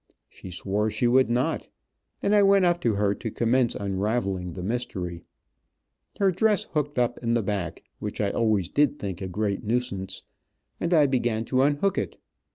She swore she would not, and I went up to her to commence unraveling the mystery. Her dress hooked up in the back, which I always did think a great nuisance, and I began to unhook it.